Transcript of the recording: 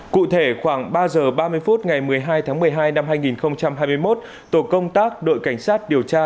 cụ thể khoảng ba giờ ba mươi phút ngày một mươi hai tháng một mươi hai năm hai nghìn hai mươi một tổ công tác đội cảnh sát điều tra